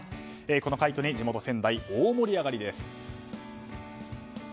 この快挙に地元・仙台大盛り上がりです。